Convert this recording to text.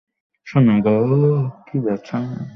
এখন সবাই একসঙ্গে দেখার চেষ্টা করায় দেখতে একটু সমস্যা হতে পারে।